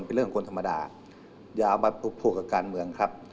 ไม่เป็นเรื่องของคนธรรมดาอย่าเอามาภูมิผูกกับการเมืองครับ